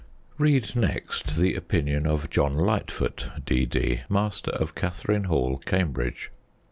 Read next the opinion of John Lightfoot, D.D., Master of Catherine Hall, Cambridge